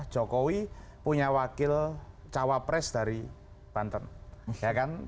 jokowi punya wakil cawapres dari banten ya kan